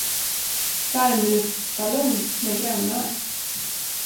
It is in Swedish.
Varmluftsballong med grannar.